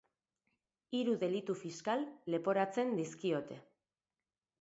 Hiru delitu fiskal leporatzen dizkiote.